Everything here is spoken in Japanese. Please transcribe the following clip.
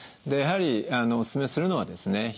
やはりお勧めするのはですね